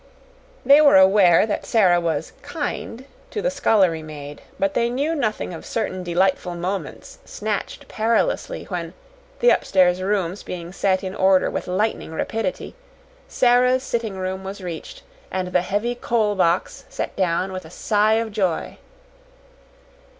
They were aware that Sara was "kind" to the scullery maid, but they knew nothing of certain delightful moments snatched perilously when, the upstairs rooms being set in order with lightning rapidity, Sara's sitting room was reached, and the heavy coal box set down with a sigh of joy.